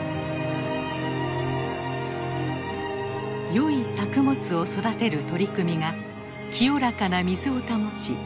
よい作物を育てる取り組みが清らかな水を保ち